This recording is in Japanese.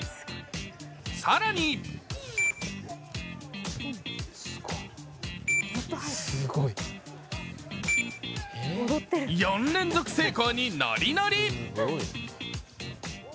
更に４連続成功にノリノリ！